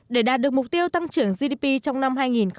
để đạt được mục tiêu tăng trưởng gdp trong năm hai nghìn một mươi bảy